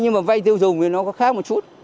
nhưng mà vay tiêu dùng thì nó có khác một chút